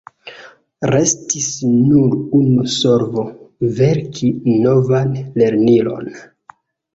Restis nur unu solvo: verki novan lernilon.